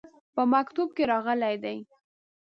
په مکتوب کې راغلي دي.